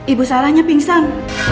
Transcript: ibu sarahnya pingsan